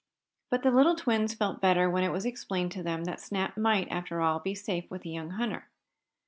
But the little twins felt better when it was explained to them that Snap might, after all, be safe with the young hunter.